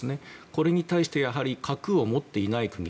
これに対して核を持っていない国。